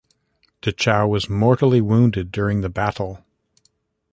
Dechow was mortally wounded during the battle.